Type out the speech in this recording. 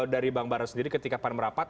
dari bang bara sendiri ketika pan merapat